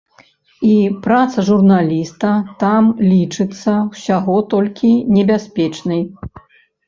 І праца журналіста там лічыцца ўсяго толькі небяспечнай.